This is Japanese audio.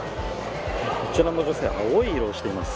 こちらの女性は青い色をしています。